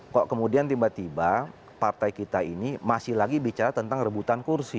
kok kemudian tiba tiba partai kita ini masih lagi bicara tentang rebutan kursi